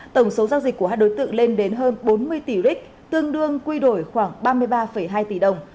tổng số giao dịch của hai đối tượng lên đến hơn bốn mươi tỷ ric tương đương quy đổi khoảng ba mươi ba hai tỷ đồng